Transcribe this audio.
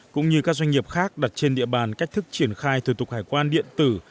cũng như các doanh nghiệp khác đặt trên địa bàn cách thức triển khai thủ tục hải quan điện tử